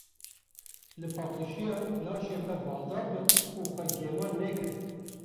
Li Paqijiya laşê xwe baldar bin û xwe gemar nekin.